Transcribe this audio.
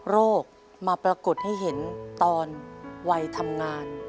โรคมาปรากฏให้เห็นตอนวัยทำงาน